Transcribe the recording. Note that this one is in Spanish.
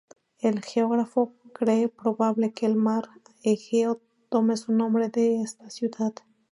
El geógrafo cree probable que el mar Egeo tome su nombre de esta ciudad.